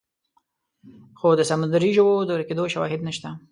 خو د سمندري ژوو د ورکېدو شواهد نشته.